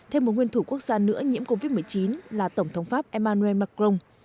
thêm một nguyên thủ quốc gia nữa nhiễm covid một mươi chín là tổng thống pháp emmanuel macron